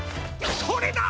それだ！